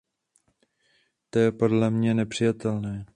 To je podle mne nepřijatelné.